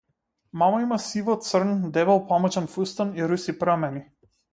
Мама има сиво-црн дебел памучен фустан и руси прамени.